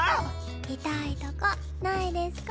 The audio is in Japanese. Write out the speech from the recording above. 痛いとこないですか？